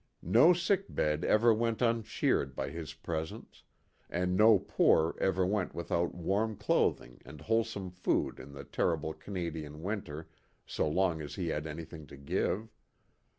No sick bed ever went uncheered by his presence, and no poor ever went without warm clothing and wholesome food in the terrible Canadian winter so long as he had anything to give.